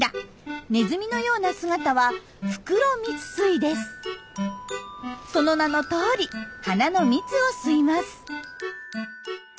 ネズミのような姿はその名のとおり花の蜜を吸います。